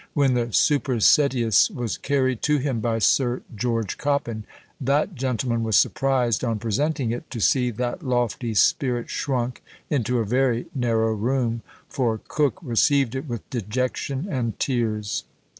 When the supersedeas was carried to him by Sir George Coppin, that gentleman was surprised, on presenting it, to see that lofty "spirit shrunk into a very narrow room, for Coke received it with dejection and tears."